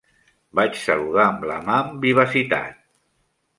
Vaig saludar amb la mà amb vivacitat.